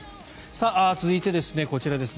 続いて、こちらですね。